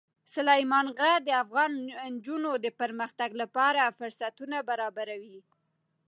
سلیمان غر د افغان نجونو د پرمختګ لپاره فرصتونه برابروي.